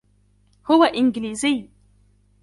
هو إنكليزي.